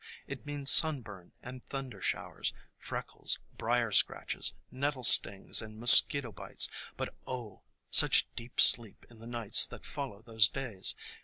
It means sunburn and thunder showers, freckles, brier scratches, nettle stings and mosquito bites, — but oh, such deep sleep in the nights that follow those days!